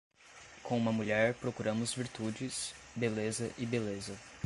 Com uma mulher procuramos virtudes, beleza e beleza.